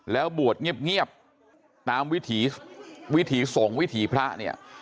แล้วบวชเงียบตามวิถีวิถีส่งวิถีพระเนี่ย